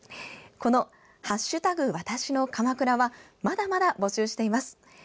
この「＃わたしの鎌倉」はまだまだ募集しています。